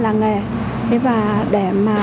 làng nghề thế và để mà